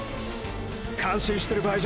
感心してる場合じゃねぇ！